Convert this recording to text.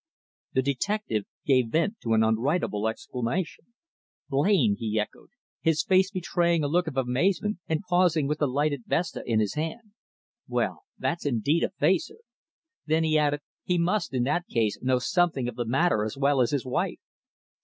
The detective gave vent to an unwritable exclamation. "Blain!" he echoed, his face betraying a look of amazement, and pausing with a lighted vesta in his hand. "Well, that's indeed a facer!" Then he added: "He must, in that case, know something of the matter as well as his wife."